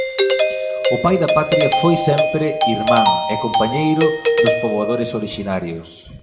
O pai da patria foi sempre irmán e compañeiro dos poboadores orixinarios.